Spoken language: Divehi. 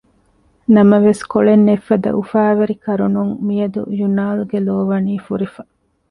ނަމަވެސް ކޮޅެއް ނެތްފަދަ އުފާވެރި ކަރުނުން މިއަދު ޔުނާލްގެ ލޯ ވަނީ ފުރިފަ